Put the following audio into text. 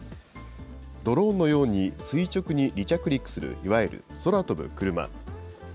ドローンのように垂直に離着陸するいわゆる空飛ぶ車。